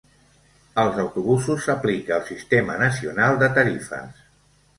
Als autobusos s'aplica el sistema nacional de tarifes.